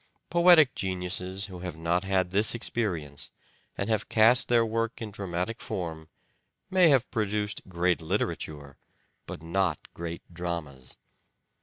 Poetic geniuses who have not had this experience, and have cast their work in dramatic form, may have produced great literature, but not great dramas.